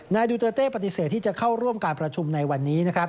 ดูเตอร์เต้ปฏิเสธที่จะเข้าร่วมการประชุมในวันนี้นะครับ